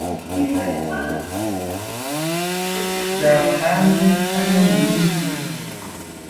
Tuzaba hanze hano muminsi mike.